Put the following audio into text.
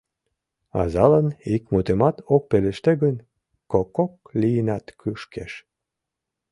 Азалан ик мутымат от пелеште гын, кокок лийынат кушкеш...